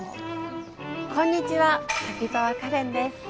こんにちは滝沢カレンです。